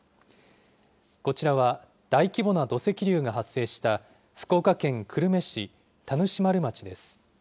こちらは大規模な土石流が発生した福岡県久留米市田主丸町です。